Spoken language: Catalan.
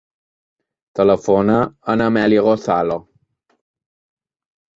Telefona a l'Amèlia Gozalo.